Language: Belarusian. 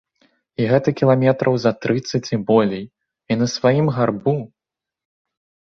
І гэта кіламетраў за трыццаць і болей, і на сваім гарбу.